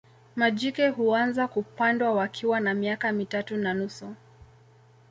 Majike huanza kupandwa wakiwa na miaka mitatu na nusu